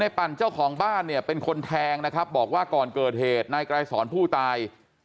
ปั่นเจ้าของบ้านเนี่ยเป็นคนแทงนะครับบอกว่าก่อนเกิดเหตุนายไกรสอนผู้ตาย